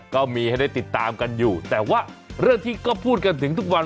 ก็มีให้ได้ติดตามกันอยู่แต่ว่าเรื่องที่ก็พูดกันถึงทุกวัน